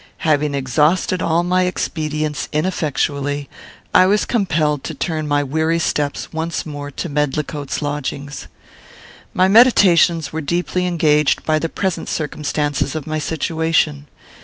Having exhausted all my expedients ineffectually, I was compelled to turn my weary steps once more to Medlicote's lodgings. My meditations were deeply engaged by the present circumstances of my situation.